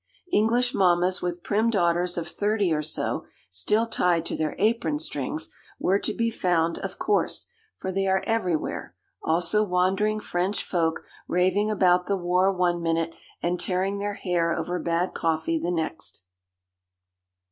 English mammas with prim daughters of thirty or so still tied to their apron strings were to be found, of course, for they are everywhere; also wandering French folk raving about the war one minute and tearing their hair over bad coffee the next.